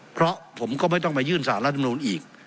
เพราะผมก็ไม่ต้องไปยื่นสารรัฐมนูลอีก